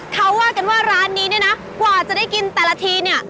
เขาว่ากันว่าร้านนี้เนี่ยนะกว่าจะได้กินแต่ละทีเนี่ย